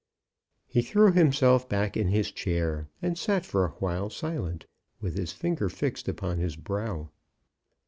He threw himself back in his chair, and sat for awhile silent, with his finger fixed upon his brow.